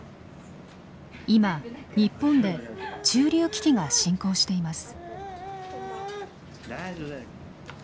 今日本で中流危機が進行しています。